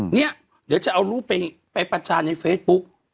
เดี๋ยวจะเอารู้ไปประจานในเฟซบุ๊ค